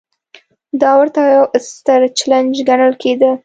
دا ورته یو ستر چلنج ګڼل کېده.